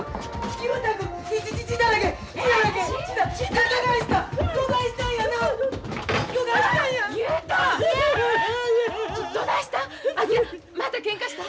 昭またけんかしたん？